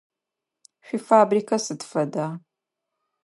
Шъуифабрикэ сыд фэда?